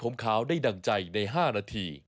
เอาแล้วช่วงหน้าค่ะ